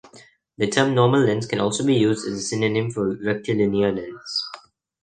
The term normal lens can also be used as a synonym for rectilinear lens.